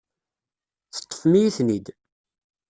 Teṭṭfem-iyi-ten-id.